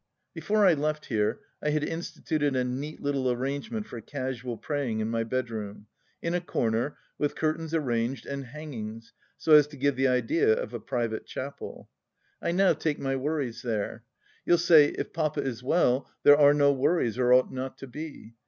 Before I left here, I had instituted a neat little arrang^nent for casual praying in my bedroom — in a comer, with curtaini arranged, and hangings, so as to give the idea of a private chapel. I now take my worries there. You'll say, if Papa is well there are no worries, or ought not to be.